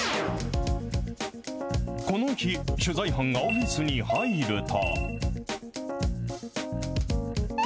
この日、取材班がオフィスに入ると。